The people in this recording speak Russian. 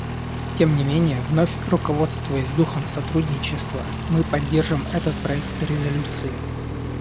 Тем не менее, вновь руководствуясь духом сотрудничества, мы поддержим этот проект резолюции.